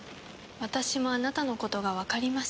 私もあなたのことがわかります。